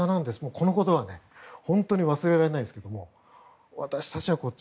この言葉は本当に忘れられないですけど私たちはこっち。